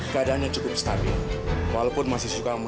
keadaannya cukup stabil walaupun masih suka